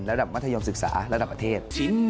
มัธยมศึกษาระดับประเทศ